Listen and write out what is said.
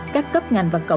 các cấp ngành và các cơ sở